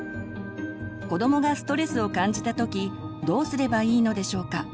子どもがストレスを感じた時どうすればいいのでしょうか。